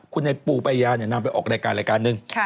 คุณหนังปูปัญญานันออกรายการรายการหนึ่ง